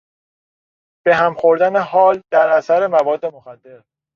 به هم خوردن حال در اثر مواد مخدر